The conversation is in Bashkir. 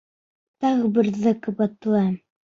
Тағы берҙе ҡабатлайым...